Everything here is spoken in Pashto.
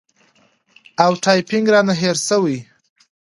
او ټایپینګ رانه هېر شوی